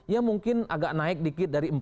ya mungkin agak naik dikit dari